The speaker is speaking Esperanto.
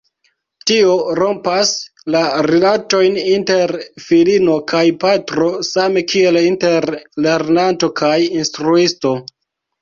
Tio rompas la rilatojn inter filino kaj patro same kiel inter lernanto kaj instruisto.